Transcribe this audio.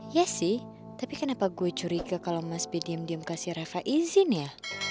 iya sih tapi kenapa gue curiga kalau mas b diam diam kasih reva izin ya